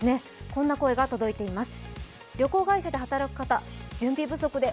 こんな声が届いています。